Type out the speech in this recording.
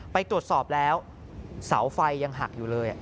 ไปตรวจสอบแล้วเสาไฟยังหักอยู่เลย